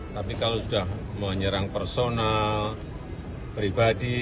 tapi kalau sudah menyerang personal pribadi yang lain juga